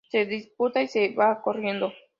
Se disculpa y se va corriendo.